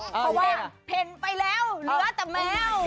เพราะว่าเพ่นไปแล้วเหลือแต่แมว